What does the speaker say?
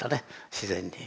自然に。